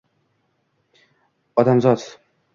Odamzod?